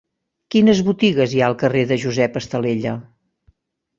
Quines botigues hi ha al carrer de Josep Estalella?